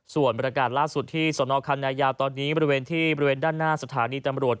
ส่วนบรรยากาศล่าสุดที่สนคันนายาตอนนี้บริเวณที่บริเวณด้านหน้าสถานีตำรวจ